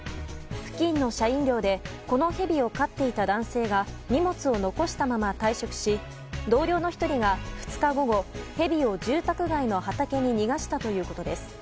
付近の社員寮でこのヘビを飼っていた男性が荷物を残したまま退職し同僚の１人が２日午後ヘビを住宅街の畑に逃がしたということです。